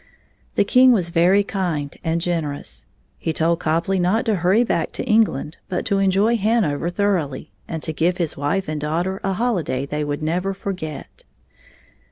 The king was very kind and generous. He told Copley not to hurry back to England but to enjoy Hanover thoroughly, and to give his wife and daughter a holiday they would never forget.